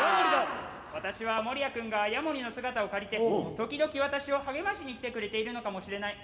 「私はモリヤくんがヤモリの姿を借りて時々私を励ましに来てくれているのかもしれない。